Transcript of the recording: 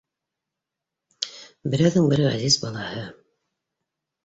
— Берәүҙең бер ғәзиз балаһы